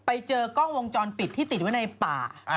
ไปเจอกล้องวงจรปิดที่ติดไว้ในป่า